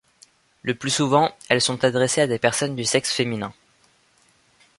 Le plus souvent, elles sont adressées à des personnes du sexe féminin.